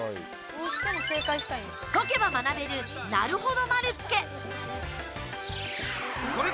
解けば学べる、なるほど丸つけ。